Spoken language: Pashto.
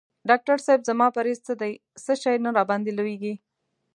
ډاکټر صېب زما پریز څه دی څه شی نه راباندي لویږي؟